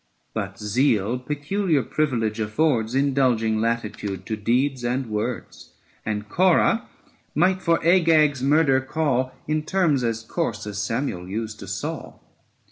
But zeal peculiar privilege affords, Indulging latitude to deeds and words: 675 And Corah might for Agag's murder call, In terms as coarse as Samuel used to Saul.